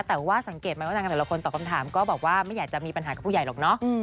แต่ว่าสังเกตไหมว่านางแต่ละคนตอบคำถามก็บอกว่าไม่อยากจะมีปัญหากับผู้ใหญ่หรอกเนาะ